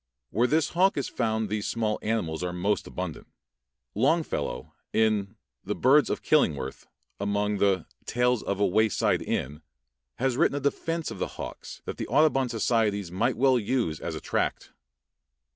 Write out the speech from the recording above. Where this hawk is found these small animals are most abundant. Longfellow in the "Birds of Killingworth," among the "Tales of a Wayside Inn," has written a defense of the hawks that the Audubon societies might well use as a tract.